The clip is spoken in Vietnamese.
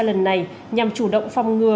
lần này nhằm chủ động phòng ngừa